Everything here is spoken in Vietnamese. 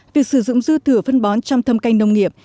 việc sử dụng dư thừa phân bón trong thâm canh nông nghiệp